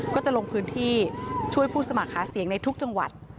ก็จะลงพื้นที่ช่วยผู้สมัครหาเสียงในทุกจังหวัด